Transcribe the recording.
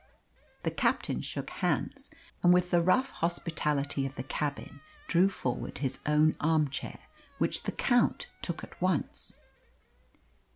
The captain shook hands, and with the rough hospitality of the cabin drew forward his own armchair, which the Count took at once.